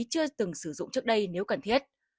chưa từng sử dụng trước đây nếu cần thiết